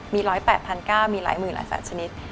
มี๑๐๘๐๐๐ก้าวมีหลายหมื่นหลายสัตว์ชนิด